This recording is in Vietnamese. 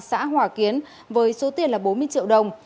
xã hòa kiến với số tiền là bốn mươi triệu đồng